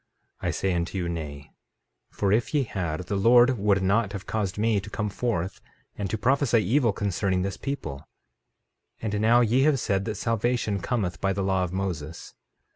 13:26 I say unto you, Nay; for if ye had, the Lord would not have caused me to come forth and to prophesy evil concerning this people. 13:27 And now ye have said that salvation cometh by the law of Moses.